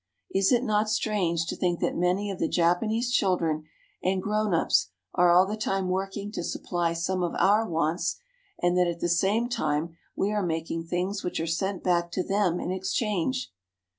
Is it not strange to think that many of the Japanese children arid Sawmill. 92 JAPAN grown ups are all the time working to supply some of our wants, and that at the same time we are making things which are sent back to them in exchange